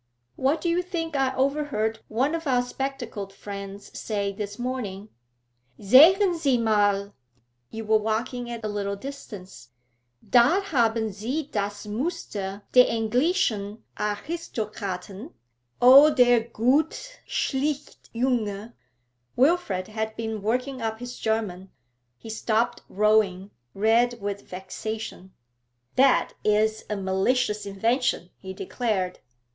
'What do you think I overheard one of our spectacled friends say this morning "Sehen Sie mal," you were walking at a little distance "da haben Sie das Muster des englischen Aristokraten. O, der gute, schlichte Junge!"' Wilfrid had been working up his German. He stopped rowing, red with vexation. 'That is a malicious invention,' he declared.